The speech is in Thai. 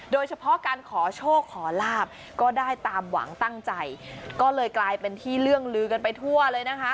โดยเฉพาะการขอโชคขอลาบก็ได้ตามหวังตั้งใจก็เลยกลายเป็นที่เรื่องลือกันไปทั่วเลยนะคะ